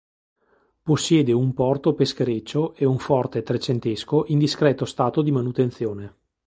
Possiede un porto peschereccio e un forte trecentesco in discreto stato di manutenzione.